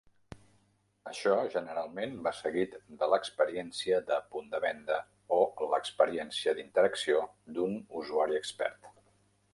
Això generalment va seguit de l'experiència de punt de venda o l'experiència d'interacció d'un usuari expert.